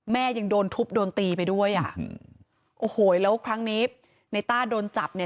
ยังโดนทุบโดนตีไปด้วยอ่ะอืมโอ้โหแล้วครั้งนี้ในต้าโดนจับเนี่ย